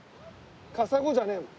カサゴじゃねえもん。